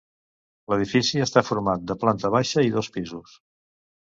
L'edifici està format de planta baixa i dos pisos.